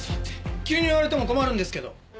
「急に言われても困るんですけど」